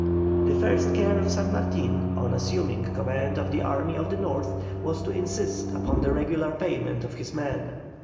The first care of San Martin, on assuming command of the army of the North, was to insist upon the regular payment of his men.